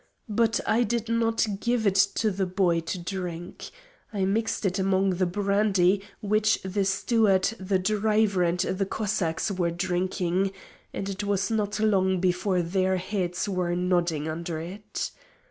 But I did not give it to the boy to drink. I mixed it among the brandy which the steward, the driver, and the Cossacks were drinking, and it was not long before their heads were nodding under it.